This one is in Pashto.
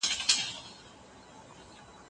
ځينې وايي چې سياسي نظام بنسټيزه موضوع ده.